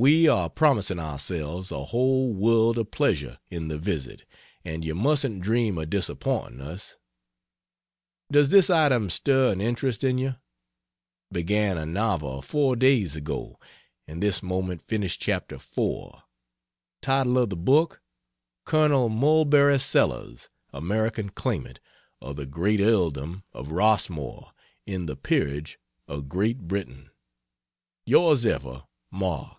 We are promising ourselves a whole world of pleasure in the visit, and you mustn't dream of disappointing us. Does this item stir an interest in you? Began a novel four days ago, and this moment finished chapter four. Title of the book: "Colonel Mulberry Sellers. American Claimant Of the Great Earldom of Rossmore' in the Peerage of Great Britain." Ys Ever MARK.